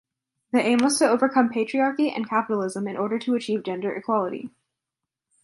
The aim was to overcome patriarchy and capitalism in order to achieve gender equality.